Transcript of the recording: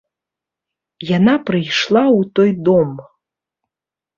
Яна прыйшла ў той дом.